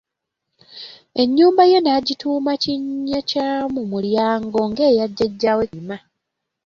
Ennyumba ye n'agituuma Kinnyakyamumulyango ng'eya jjajaawe Kayima.